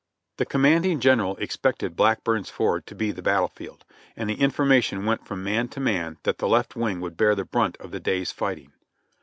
The commanding general expected Blackburn's Ford to be the battle field, and the information went from man to man that the left wing would bear the brunt of the day's fighting.